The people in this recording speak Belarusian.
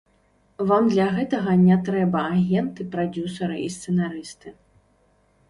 Вам для гэтага не трэба агенты, прадзюсары і сцэнарысты.